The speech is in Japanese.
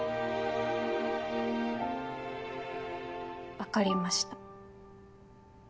わかりました。